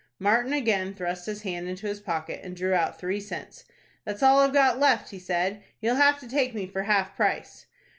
Martin again thrust his hand into his pocket, and drew out three cents. "That's all I've got left," he said. "You'll have to take me for half price."